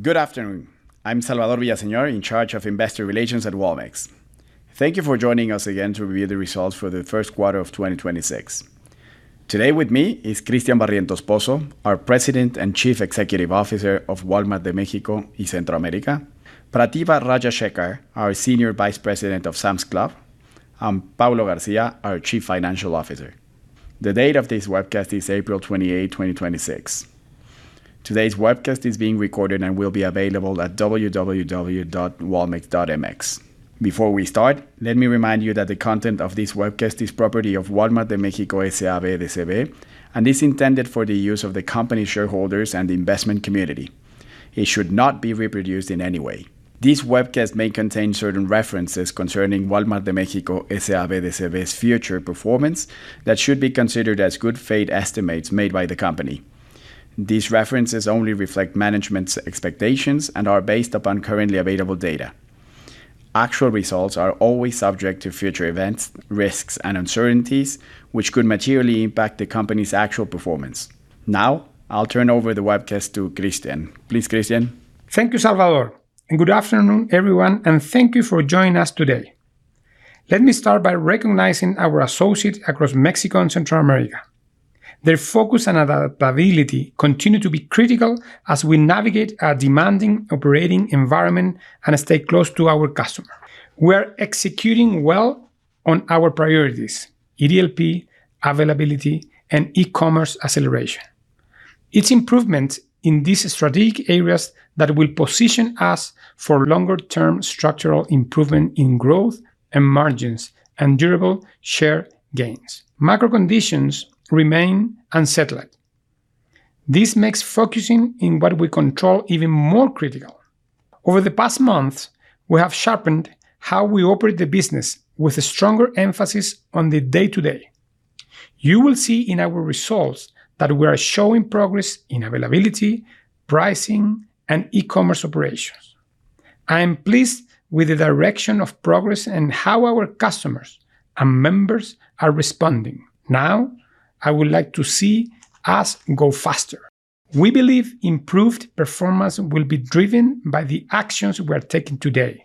Good afternoon. I'm Salvador Villaseñor, in charge of investor relations at Walmex. Thank you for joining us again to review the results for the first quarter of 2026. Today with me is Cristian Barrientos Pozo, our President and Chief Executive Officer of Walmart de México y Centroamérica, Prathibha Rajashekhar, our Senior Vice President of Sam's Club, and Paulo Garcia, our Chief Financial Officer. The date of this webcast is April 28, 2026. Today's webcast is being recorded and will be available at www.walmex.mx. Before we start, let me remind you that the content of this webcast is property of Walmart de México S.A.B. de C.V., and is intended for the use of the company shareholders and investment community. It should not be reproduced in any way. This webcast may contain certain references concerning Walmart de México S.A.B. de C.V.'s future performance that should be considered as good faith estimates made by the company. These references only reflect management's expectations and are based upon currently available data. Actual results are always subject to future events, risks, and uncertainties, which could materially impact the company's actual performance. Now, I'll turn over the webcast to Cristian. Please, Cristian. Thank you, Salvador, and good afternoon, everyone, and thank you for joining us today. Let me start by recognizing our associates across México and Central America. Their focus and adaptability continue to be critical as we navigate a demanding operating environment and stay close to our customer. We're executing well on our priorities: EDLP, availability, and e-commerce acceleration. It's improvement in these strategic areas that will position us for longer term structural improvement in growth and margins and durable share gains. Macro conditions remain unsettled. This makes focusing in what we control even more critical. Over the past months, we have sharpened how we operate the business with a stronger emphasis on the day-to-day. You will see in our results that we are showing progress in availability, pricing, and e-commerce operations. I am pleased with the direction of progress and how our customers and members are responding. Now, I would like to see us go faster. We believe improved performance will be driven by the actions we're taking today,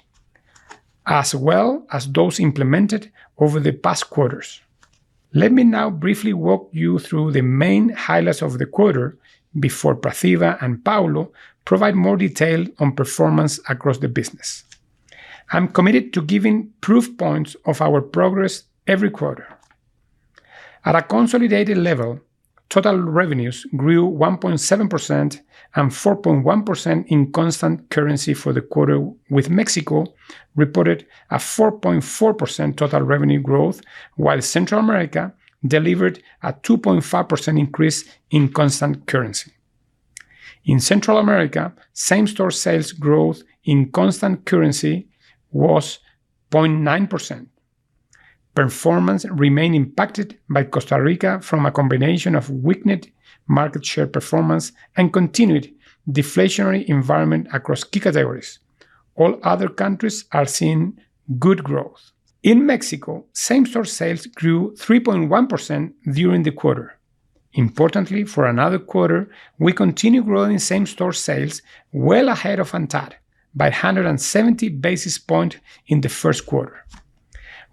as well as those implemented over the past quarters. Let me now briefly walk you through the main highlights of the quarter before Prathibha and Paulo provide more detail on performance across the business. I'm committed to giving proof points of our progress every quarter. At a consolidated level, total revenues grew 1.7% and 4.1% in constant currency for the quarter, with Mexico reported a 4.4% total revenue growth, while Central America delivered a 2.5% increase in constant currency. In Central America, same-store sales growth in constant currency was 0.9%. Performance remained impacted by Costa Rica from a combination of weakened market share performance and continued deflationary environment across key categories. All other countries are seeing good growth. In Mexico, same-store sales grew 3.1% during the quarter. Importantly, for another quarter, we continue growing same-store sales well ahead of ANTAD by 170 basis points in the first quarter.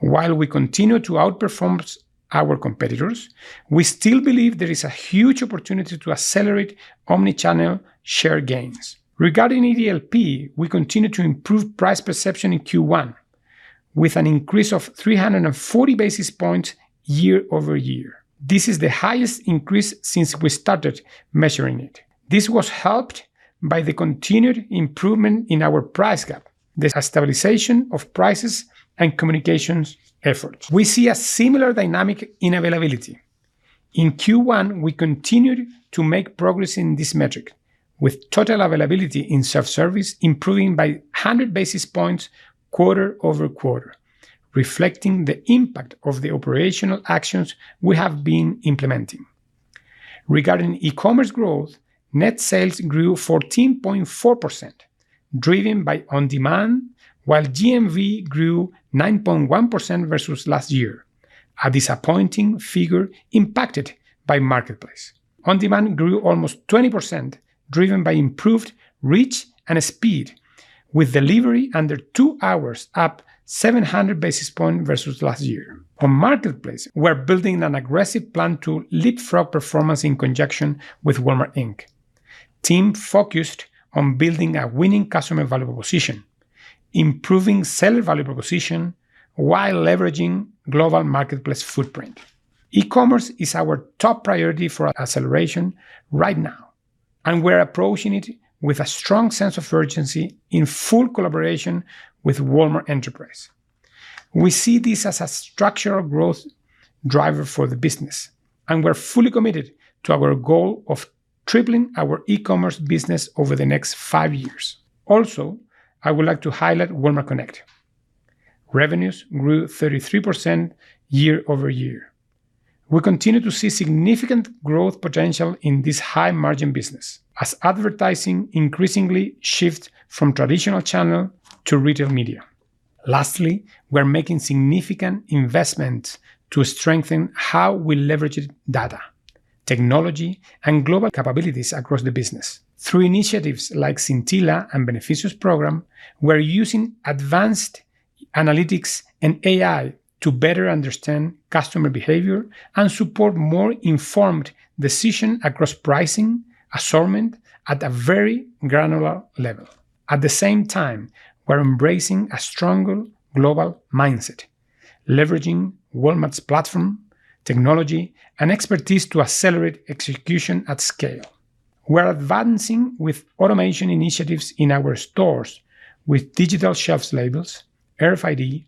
While we continue to outperform our competitors, we still believe there is a huge opportunity to accelerate omni-channel share gains. Regarding EDLP, we continue to improve price perception in Q1, with an increase of 340 basis points year-over-year. This is the highest increase since we started measuring it. This was helped by the continued improvement in our price gap, the stabilization of prices, and communications efforts. We see a similar dynamic in availability. In Q1, we continued to make progress in this metric, with total availability in self-service improving by 100 basis points quarter-over-quarter, reflecting the impact of the operational actions we have been implementing. Regarding e-commerce growth, net sales grew 14.4%, driven by On Demand, while GMV grew 9.1% versus last year, a disappointing figure impacted by Marketplace. On Demand grew almost 20%, driven by improved reach and speed, with delivery under two hours, up 700 basis points versus last year. On Marketplace, we're building an aggressive plan to leapfrog performance in conjunction with Walmart Inc. Team focused on building a winning customer value proposition, improving seller value proposition while leveraging global Marketplace footprint. E-commerce is our top priority for acceleration right now, we're approaching it with a strong sense of urgency in full collaboration with Walmart Enterprise. We see this as a structural growth driver for the business, and we're fully committed to our goal of tripling our e-commerce business over the next five years. I would like to highlight Walmart Connect. Revenues grew 33% year-over-year. We continue to see significant growth potential in this high margin business as advertising increasingly shift from traditional channel to retail media. We're making significant investment to strengthen how we leverage data, technology, and global capabilities across the business. Through initiatives like Scintilla and Beneficios program, we're using advanced analytics and AI to better understand customer behavior and support more informed decision across pricing, assortment at a very granular level. At the same time, we're embracing a stronger global mindset, leveraging Walmart's platform, technology, and expertise to accelerate execution at scale. We're advancing with automation initiatives in our stores with digital shelf labels, RFID,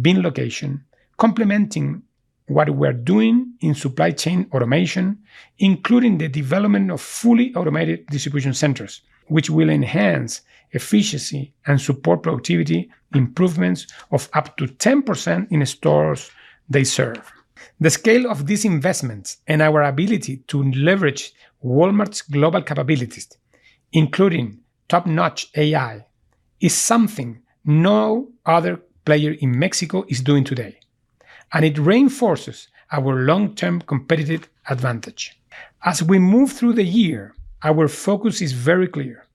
bin location, complementing what we're doing in supply chain automation, including the development of fully automated distribution centers, which will enhance efficiency and support productivity improvements of up to 10% in the stores they serve. The scale of these investments and our ability to leverage Walmart's global capabilities, including top-notch AI, is something no other player in Mexico is doing today, and it reinforces our long-term competitive advantage. As we move through the year, our focus is very clear.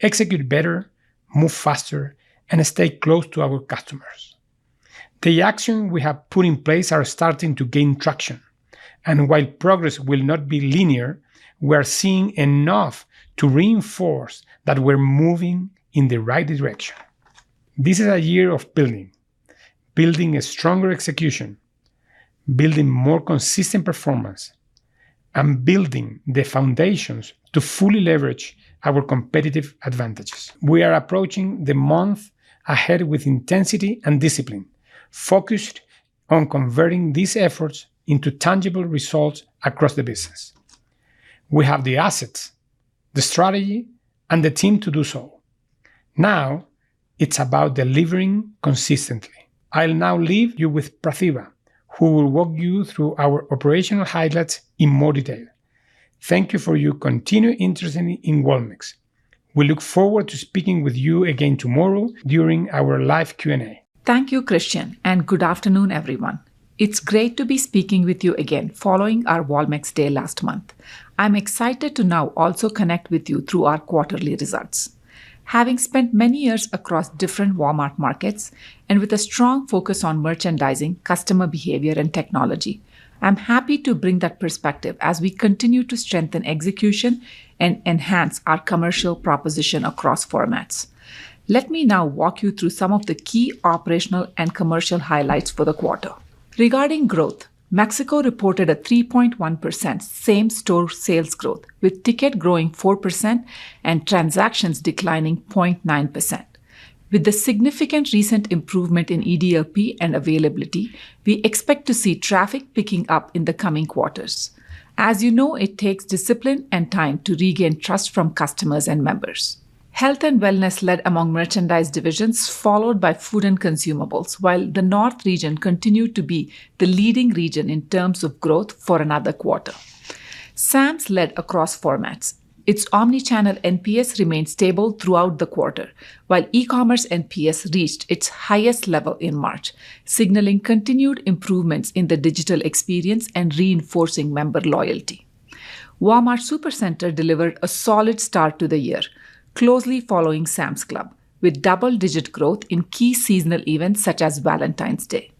Execute better, move faster, and stay close to our customers. The action we have put in place are starting to gain traction, and while progress will not be linear, we're seeing enough to reinforce that we're moving in the right direction. This is a year of building. Building a stronger execution, building more consistent performance, and building the foundations to fully leverage our competitive advantages. We are approaching the month ahead with intensity and discipline, focused on converting these efforts into tangible results across the business. We have the assets, the strategy, and the team to do so. Now it's about delivering consistently. I'll now leave you with Prathibha, who will walk you through our operational highlights in more detail. Thank you for your continued interest in Walmex. We look forward to speaking with you again tomorrow during our live Q&A. Thank you, Cristian, and good afternoon, everyone. It's great to be speaking with you again following our Walmex Day last month. I'm excited to now also connect with you through our quarterly results. Having spent many years across different Walmart markets and with a strong focus on merchandising, customer behavior, and technology, I'm happy to bring that perspective as we continue to strengthen execution and enhance our commercial proposition across formats. Let me now walk you through some of the key operational and commercial highlights for the quarter. Regarding growth, Mexico reported a 3.1% same-store sales growth, with ticket growing 4% and transactions declining 0.9%. With the significant recent improvement in EDLP and availability, we expect to see traffic picking up in the coming quarters. As you know, it takes discipline and time to regain trust from customers and members. Health and wellness led among merchandise divisions, followed by food and consumables, while the North region continued to be the leading region in terms of growth for another quarter. Sam's led across formats. Its omni-channel NPS remained stable throughout the quarter, while e-commerce NPS reached its highest level in March, signaling continued improvements in the digital experience and reinforcing member loyalty. Walmart Supercenter delivered a solid start to the year, closely following Sam's Club, with double-digit growth in key seasonal events such as Valentine's Day.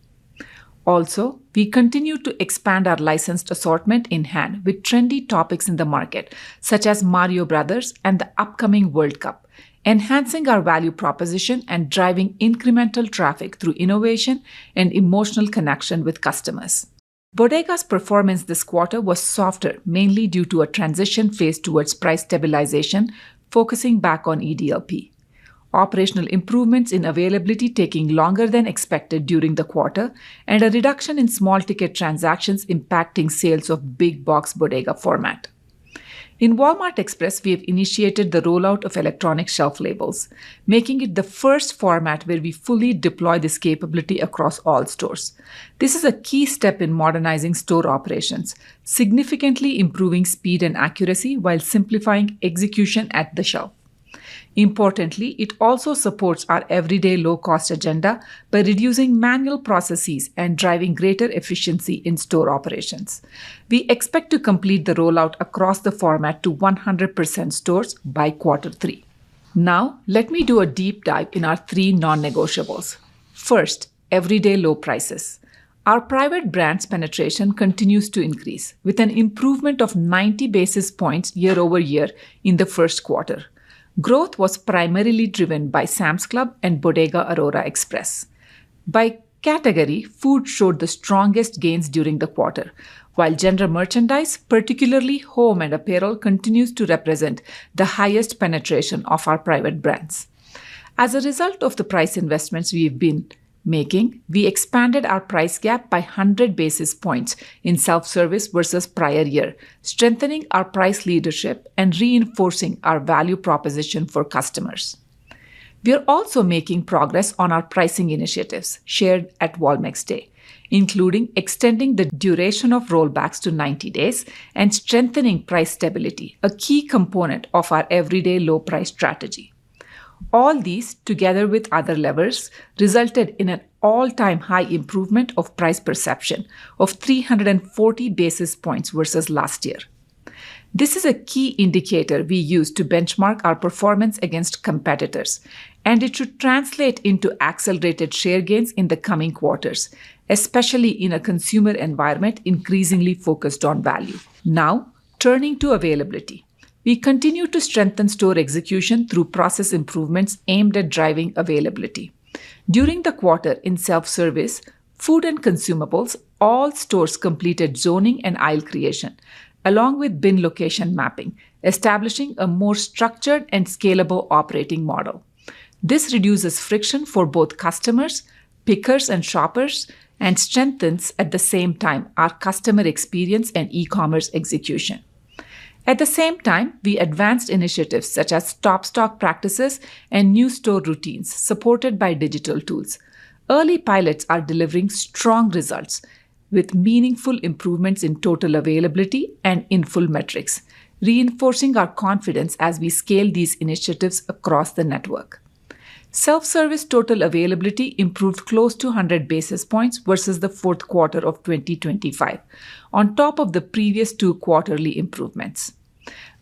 We continue to expand our licensed assortment in hand with trendy topics in the market, such as Mario Bros and the upcoming World Cup, enhancing our value proposition and driving incremental traffic through innovation and emotional connection with customers. Bodegas performance this quarter was softer, mainly due to a transition phase towards price stabilization, focusing back on EDLP. Operational improvements in availability taking longer than expected during the quarter, and a reduction in small ticket transactions impacting sales of big box Bodega format. In Walmart Express, we have initiated the rollout of electronic shelf labels, making it the first format where we fully deploy this capability across all stores. This is a key step in modernizing store operations, significantly improving speed and accuracy while simplifying execution at the shelf. Importantly, it also supports our everyday low cost agenda by reducing manual processes and driving greater efficiency in store operations. We expect to complete the rollout across the format to 100% stores by quarter three. Now, let me do a deep dive in our three non-negotiables. First, everyday low prices. Our private brands penetration continues to increase, with an improvement of 90 basis points year-over-year in the first quarter. Growth was primarily driven by Sam's Club and Bodega Aurrerá Express. By category, food showed the strongest gains during the quarter, while general merchandise, particularly home and apparel, continues to represent the highest penetration of our private brands. As a result of the price investments we've been making, we expanded our price gap by 100 basis points in self-service versus prior year, strengthening our price leadership and reinforcing our value proposition for customers. We are also making progress on our pricing initiatives shared at Walmex Day, including extending the duration of rollbacks to 90 days and strengthening price stability, a key component of our everyday low price strategy. All these, together with other levers, resulted in an all-time high improvement of price perception of 340 basis points versus last year. This is a key indicator we use to benchmark our performance against competitors, and it should translate into accelerated share gains in the coming quarters, especially in a consumer environment increasingly focused on value. Turning to availability. We continue to strengthen store execution through process improvements aimed at driving availability. During the quarter, in self-service, food and consumables, all stores completed zoning and aisle creation, along with bin location mapping, establishing a more structured and scalable operating model. This reduces friction for both customers, pickers, and shoppers, and strengthens, at the same time, our customer experience and e-commerce execution. At the same time, we advanced initiatives such as top stock practices and new store routines supported by digital tools. Early pilots are delivering strong results with meaningful improvements in total availability and in-full metrics, reinforcing our confidence as we scale these initiatives across the network. Self-service total availability improved close to 100 basis points versus the fourth quarter of 2025, on top of the previous two quarterly improvements.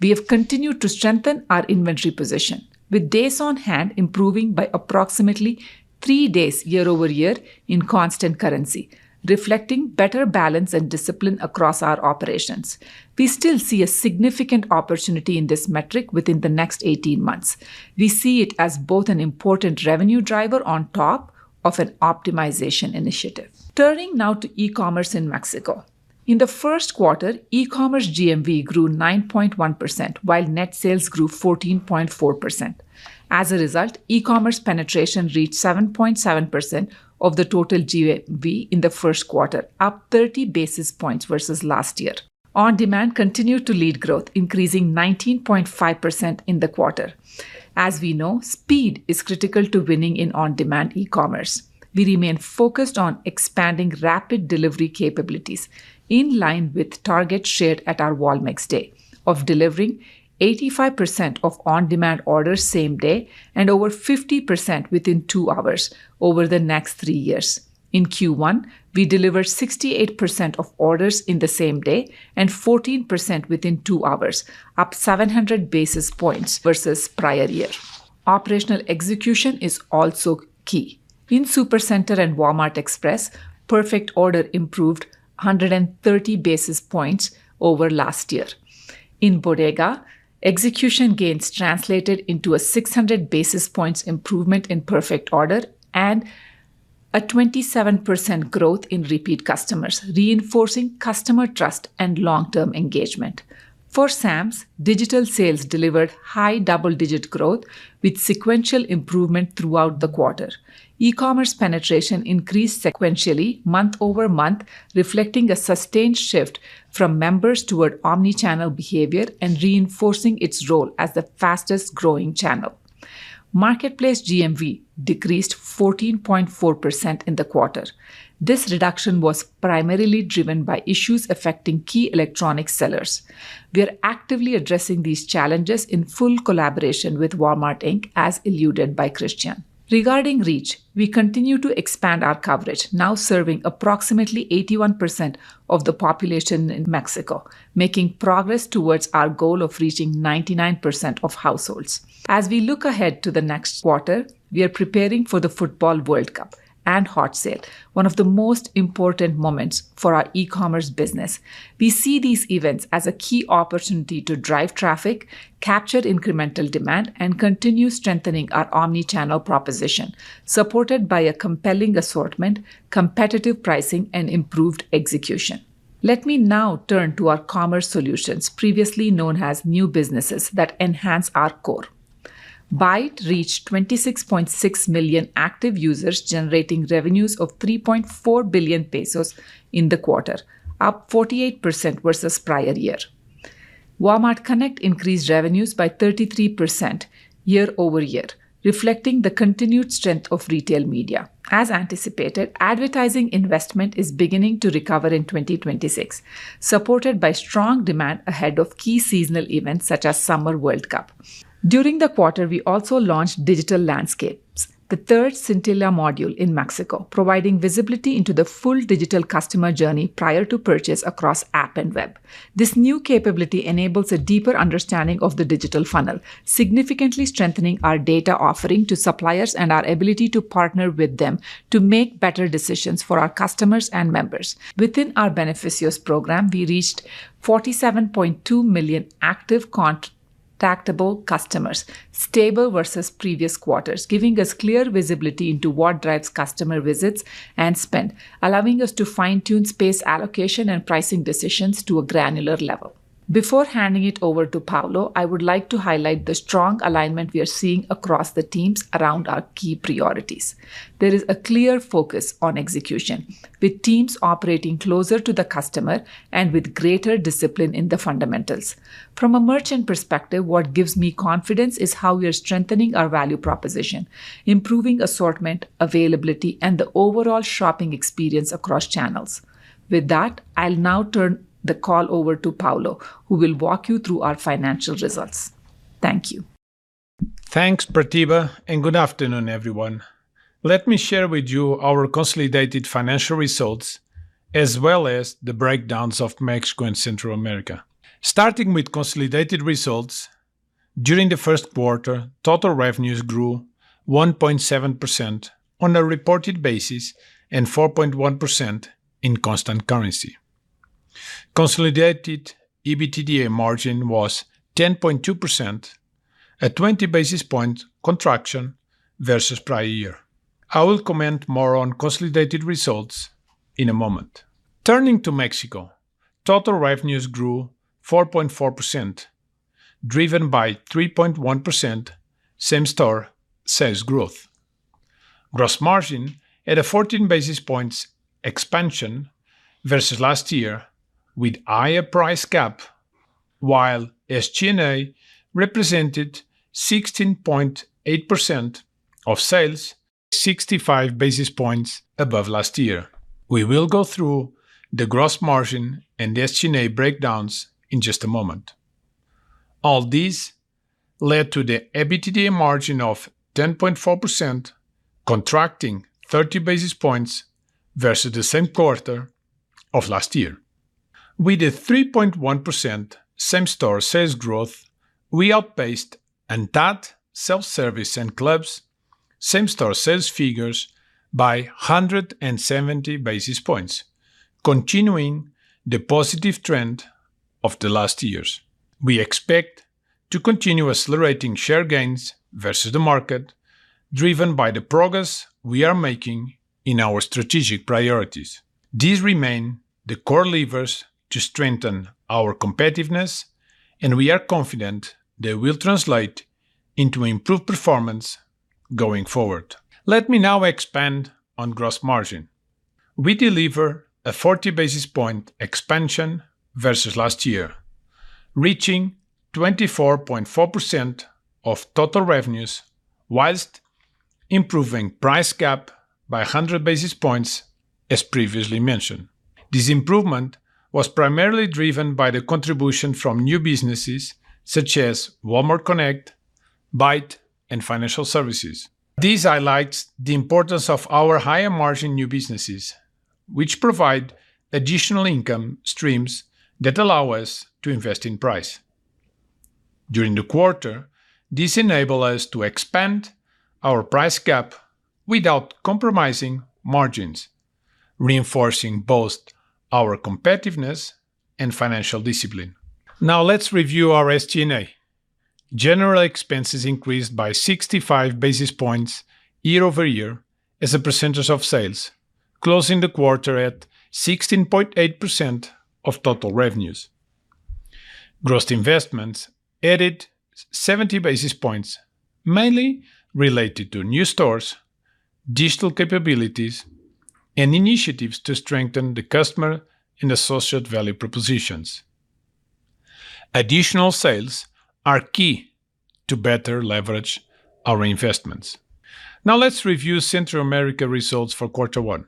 We have continued to strengthen our inventory position, with days on hand improving by approximately three days year-over-year in constant currency, reflecting better balance and discipline across our operations. We still see a significant opportunity in this metric within the next 18 months. We see it as both an important revenue driver on top of an optimization initiative. Turning now to e-commerce in Mexico. In the first quarter, e-commerce GMV grew 9.1%, while net sales grew 14.4%. As a result, e-commerce penetration reached 7.7% of the total GMV in the first quarter, up 30 basis points versus last year. On Demand continued to lead growth, increasing 19.5% in the quarter. As we know, speed is critical to winning in On Demand e-commerce. We remain focused on expanding rapid delivery capabilities in line with targets shared at our Walmex Day of delivering 85% of On Demand orders same day and over 50% within two hours over the next three years. In Q1, we delivered 68% of orders in the same day and 14% within two hours, up 700 basis points versus prior year. Operational execution is also key. In Supercenter and Walmart Express, perfect order improved 130 basis points over last year. In Bodega, execution gains translated into a 600 basis points improvement in perfect order and a 27% growth in repeat customers, reinforcing customer trust and long-term engagement. For Sam's, digital sales delivered high double-digit growth with sequential improvement throughout the quarter. e-commerce penetration increased sequentially month-over-month, reflecting a sustained shift from members toward omni-channel behavior and reinforcing its role as the fastest-growing channel. Marketplace GMV decreased 14.4% in the quarter. This reduction was primarily driven by issues affecting key electronic sellers. We are actively addressing these challenges in full collaboration with Walmart Inc., as alluded by Cristian. Regarding reach, we continue to expand our coverage, now serving approximately 81% of the population in Mexico, making progress towards our goal of reaching 99% of households. As we look ahead to the next quarter, we are preparing for the football World Cup and Hot Sale, one of the most important moments for our e-commerce business. We see these events as a key opportunity to drive traffic, capture incremental demand, and continue strengthening our omni-channel proposition, supported by a compelling assortment, competitive pricing, and improved execution. Let me now turn to our commerce solutions, previously known as new businesses, that enhance our core. Bait reached 26.6 million active users generating revenues of 3.4 billion pesos in the quarter, up 48% versus prior year. Walmart Connect increased revenues by 33% year-over-year, reflecting the continued strength of retail media. As anticipated, advertising investment is beginning to recover in 2026, supported by strong demand ahead of key seasonal events such as Summer World Cup. During the quarter, we also launched Digital Landscapes, the third Scintilla module in Mexico, providing visibility into the full digital customer journey prior to purchase across app and web. This new capability enables a deeper understanding of the digital funnel, significantly strengthening our data offering to suppliers and our ability to partner with them to make better decisions for our customers and members. Within our Beneficios program, we reached 47.2 million active contactable customers, stable versus previous quarters, giving us clear visibility into what drives customer visits and spend, allowing us to fine-tune space allocation and pricing decisions to a granular level. Before handing it over to Paulo, I would like to highlight the strong alignment we are seeing across the teams around our key priorities. There is a clear focus on execution, with teams operating closer to the customer and with greater discipline in the fundamentals. From a merchant perspective, what gives me confidence is how we are strengthening our value proposition, improving assortment, availability, and the overall shopping experience across channels. With that, I'll now turn the call over to Paulo, who will walk you through our financial results. Thank you. Thanks, Prathibha, and good afternoon, everyone. Let me share with you our consolidated financial results, as well as the breakdowns of Mexico and Central America. Starting with consolidated results, during the first quarter, total revenues grew 1.7% on a reported basis and 4.1% in constant currency. Consolidated EBITDA margin was 10.2% at 20 basis points contraction versus prior year. I will comment more on consolidated results in a moment. Turning to Mexico, total revenues grew 4.4%, driven by 3.1% same-store sales growth. Gross margin at a 14 basis points expansion versus last year with higher price gap, while SG&A represented 16.8% of sales, 65 basis points above last year. We will go through the gross margin and SG&A breakdowns in just a moment. All this led to the EBITDA margin of 10.4%, contracting 30 basis points versus the same quarter of last year. With the 3.1% same-store sales growth, we outpaced ANTAD self-service and clubs same-store sales figures by 170 basis points, continuing the positive trend of the last years. We expect to continue accelerating share gains versus the market, driven by the progress we are making in our strategic priorities. These remain the core levers to strengthen our competitiveness, and we are confident they will translate into improved performance going forward. Let me now expand on gross margin. We deliver a 40 basis point expansion versus last year, reaching 24.4% of total revenues whilst improving price gap by 100 basis points, as previously mentioned. This improvement was primarily driven by the contribution from new businesses such as Walmart Connect, Bait, and Financial Services. These highlights the importance of our higher margin new businesses, which provide additional income streams that allow us to invest in price. During the quarter, this enable us to expand our price gap without compromising margins, reinforcing both our competitiveness and financial discipline. Now let's review our SG&A. General expenses increased by 65 basis points year-over-year as a percentage of sales, closing the quarter at 16.8% of total revenues. Gross investments added 70 basis points, mainly related to new stores, digital capabilities, and initiatives to strengthen the customer and associate value propositions. Additional sales are key to better leverage our investments. Now let's review Central America results for quarter one.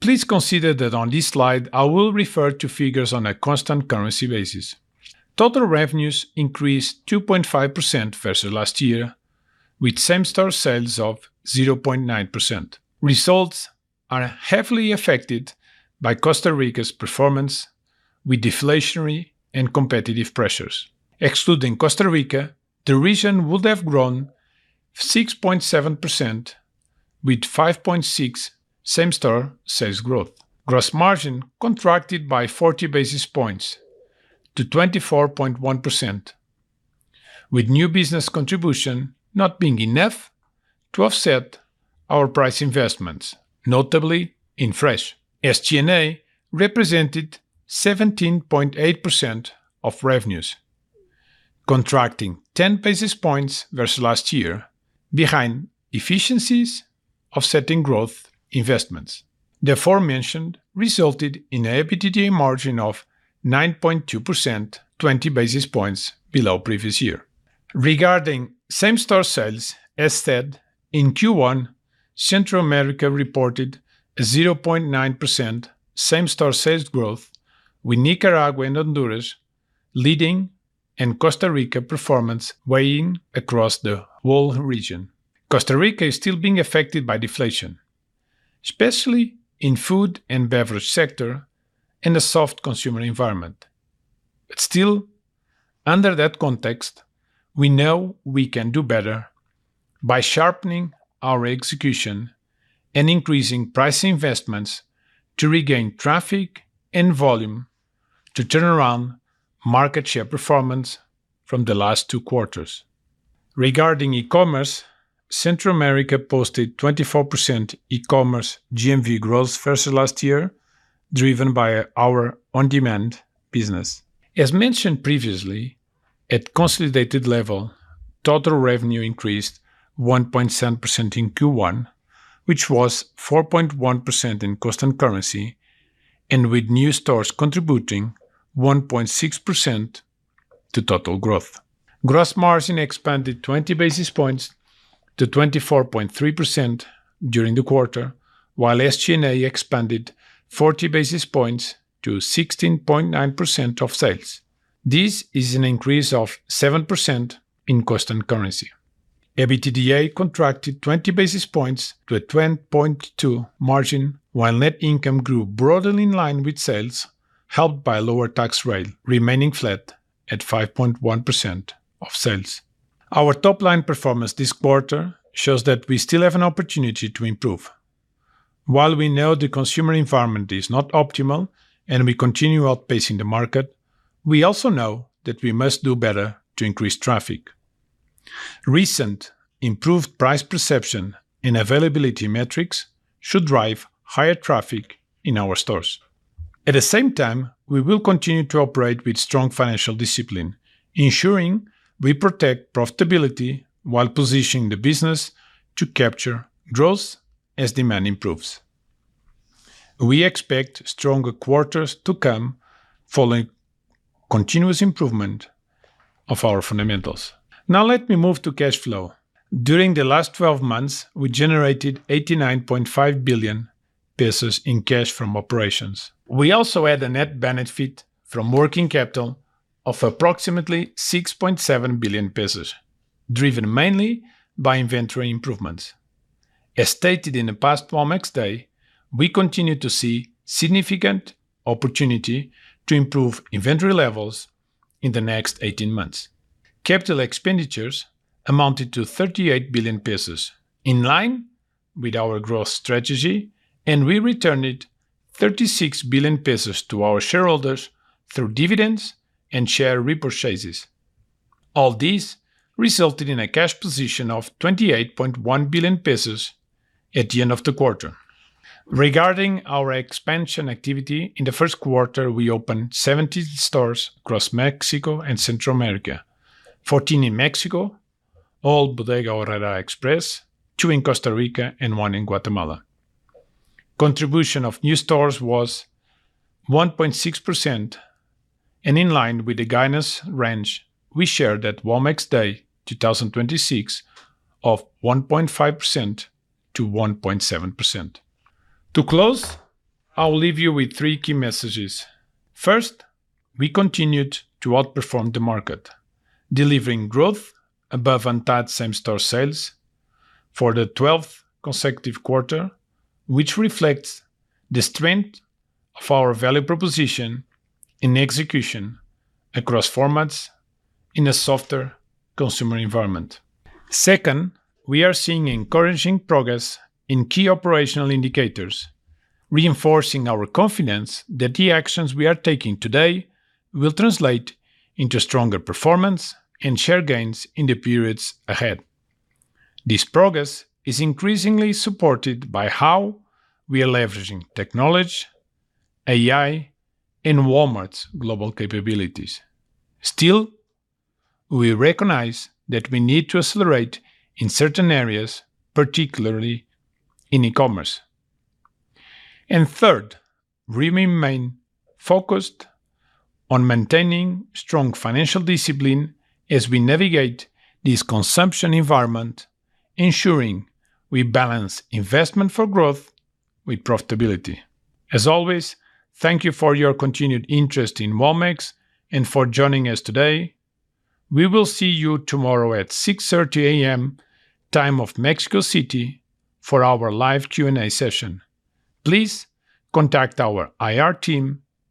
Please consider that on this slide, I will refer to figures on a constant currency basis. Total revenues increased 2.5% versus last year, with same-store sales of 0.9%. Results are heavily affected by Costa Rica's performance with deflationary and competitive pressures. Excluding Costa Rica, the region would have grown 6.7% with 5.6% same-store sales growth. Gross margin contracted by 40 basis points to 24.1%, with new business contribution not being enough to offset our price investments, notably in fresh. SG&A represented 17.8% of revenues, contracting 10 basis points versus last year behind efficiencies offsetting growth investments. The aforementioned resulted in a EBITDA margin of 9.2%, 20 basis points below previous year. Regarding same-store sales, as said, in Q1, Central America reported a 0.9% same-store sales growth with Nicaragua and Honduras leading, and Costa Rica performance weighing across the whole region. Costa Rica is still being affected by deflation, especially in food and beverage sector and a soft consumer environment. Under that context, we know we can do better by sharpening our execution and increasing price investments to regain traffic and volume to turn around market share performance from the last two quarters. Regarding e-commerce, Central America posted 24% e-commerce GMV growth versus last year, driven by our On Demand business. As mentioned previously, at consolidated level, total revenue increased 1.7% in Q1, which was 4.1% in constant currency, and with new stores contributing 1.6% to total growth. Gross margin expanded 20 basis points to 24.3% during the quarter. While SG&A expanded 40 basis points to 16.9% of sales. This is an increase of 7% in constant currency. EBITDA contracted 20 basis points to a 10.2% margin, while net income grew broadly in line with sales, helped by lower tax rate, remaining flat at 5.1% of sales. Our top line performance this quarter shows that we still have an opportunity to improve. While we know the consumer environment is not optimal and we continue outpacing the market, we also know that we must do better to increase traffic. Recent improved price perception and availability metrics should drive higher traffic in our stores. At the same time, we will continue to operate with strong financial discipline, ensuring we protect profitability while positioning the business to capture growth as demand improves. We expect stronger quarters to come following continuous improvement of our fundamentals. Now let me move to cash flow. During the last 12 months, we generated 89.5 billion pesos in cash from operations. We also had a net benefit from working capital of approximately 6.7 billion pesos, driven mainly by inventory improvements. As stated in the past Walmex Day, we continue to see significant opportunity to improve inventory levels in the next 18 months. Capital expenditures amounted to 38 billion pesos, in line with our growth strategy, and we returned 36 billion pesos to our shareholders through dividends and share repurchases. All this resulted in a cash position of 28.1 billion pesos at the end of the quarter. Regarding our expansion activity, in the first quarter we opened 17 stores across Mexico and Central America, 14 in Mexico, all Bodega Aurrera Express, two in Costa Rica and one in Guatemala. Contribution of new stores was 1.6% and in line with the guidance range we shared at Walmex Day 2026 of 1.5%-1.7%. To close, I will leave you with three key messages. First, we continued to outperform the market, delivering growth above ANTAD same-store sales for the 12th consecutive quarter, which reflects the strength of our value proposition and execution across formats in a softer consumer environment. Second, we are seeing encouraging progress in key operational indicators, reinforcing our confidence that the actions we are taking today will translate into stronger performance and share gains in the periods ahead. This progress is increasingly supported by how we are leveraging technology, AI, and Walmart's global capabilities. Still, we recognize that we need to accelerate in certain areas, particularly in e-commerce. Third, we remain focused on maintaining strong financial discipline as we navigate this consumption environment, ensuring we balance investment for growth with profitability. As always, thank you for your continued interest in Walmex and for joining us today. We will see you tomorrow at 6:30 A.M., time of Mexico City, for our live Q&A session. Please contact our IR team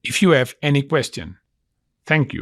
if you have any question. Thank you